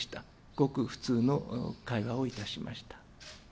ごく普通の会話をいたしました。